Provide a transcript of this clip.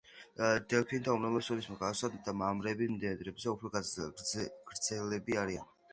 დელფინთა უმრავლესობის მსგავსად, მამრები მდედრებზე უფრო გრძელები არიან.